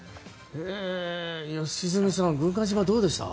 良純さん軍艦島、どうでしたか。